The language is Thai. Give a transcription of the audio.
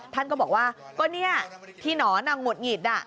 ท่านก็บอกว่าก็เนี่ยที่หนอนหงุดหงิด